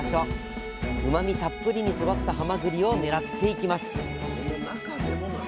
うまみたっぷりに育ったはまぐりを狙っていきます